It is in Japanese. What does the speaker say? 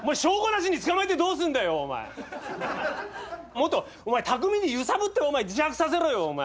もっと巧みに揺さぶって自白させろよお前。